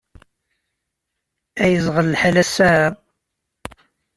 Ay yeẓɣel lḥal ass-a!